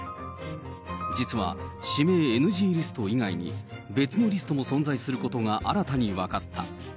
実は、指名ＮＧリスト以外に、別のリストも存在することが新たに分かった。